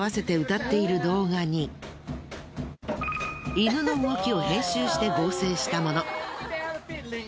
犬の動きを編集して合成したもの。